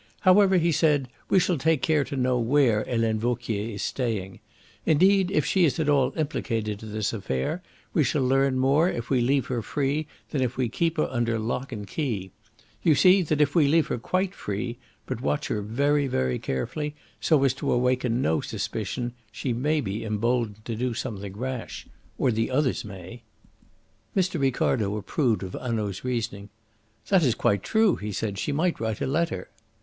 "However," he said, "we shall take care to know where Helene Vauquier is staying. Indeed, if she is at all implicated in this affair we shall learn more if we leave her free than if we keep her under lock and key. You see that if we leave her quite free, but watch her very, very carefully, so as to awaken no suspicion, she may be emboldened to do something rash or the others may." Mr. Ricardo approved of Hanaud's reasoning. "That is quite true," he said. "She might write a letter."